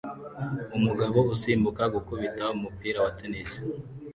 Umugabo usimbuka gukubita umupira wa tennis